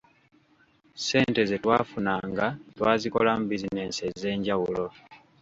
Ssente ze twafunanga twazikolamu bizinensi ezenjawulo.